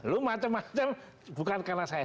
lo macam macam bukan karena saya